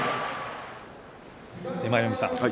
舞の海さん